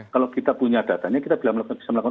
kalau kita punya datanya kita bisa melakukan